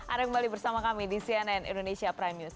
ada kembali bersama kami di cnn indonesia prime news